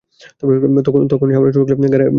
তখন সামান্য চোট লাগলেই হাড়ে ব্যথা হয়ে যেতে পারে।